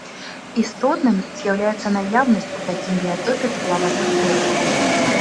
Істотным з'яўляецца наяўнасць у такім біятопе дуплаватых дрэў.